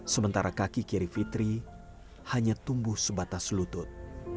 sementara kaki kiri fitri hanya tumbuh sebatas lutut